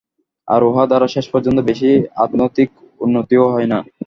আর উহা দ্বারা শেষ পর্যন্ত বেশী আধ্যাত্মিক উন্নতিও হয় না।